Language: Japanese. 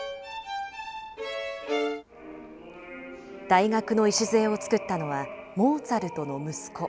大学の礎を作ったのは、モーツァルトの息子。